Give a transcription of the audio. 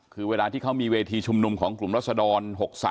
คือเวลาที่เขามีเวทีชุมนุมของกลุ่มรัศดร๖๓